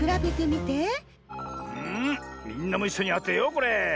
みんなもいっしょにあてようこれ。